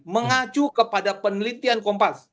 mengacu kepada penelitian kompas